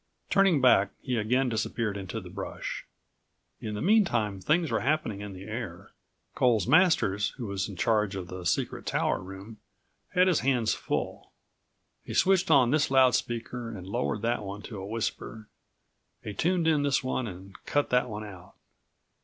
Turning back, he again disappeared into the brush. In the meantime things were happening in the air. Coles Masters, who was in charge of the secret tower room, had his hands full. He switched on this loud speaker and lowered that68 one to a whisper. He tuned in this one and cut that one out.